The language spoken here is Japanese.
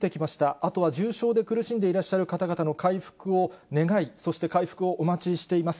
あとは重症で苦しんでいらっしゃる方々の回復を願い、そして回復をお待ちしています。